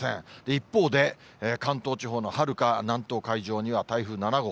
一方で、関東地方のはるか南東海上には、台風７号。